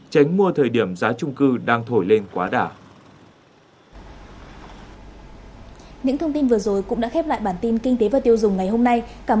tránh mua thời điểm giá trung cư đang thổi lên quá đà